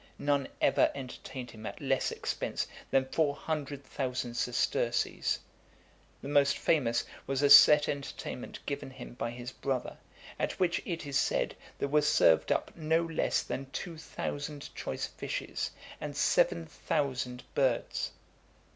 None ever entertained him at less expense than four hundred thousand sesterces . The most famous was a set entertainment given him by his brother, at which, it is said, there were served up no less than two thousand choice fishes, and seven thousand birds.